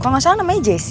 kok gak salah namanya jessy